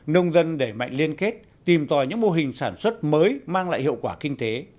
nông dân đẩy mạnh liên kết tìm tòi những mô hình sản xuất mới mang lại hiệu quả kinh tế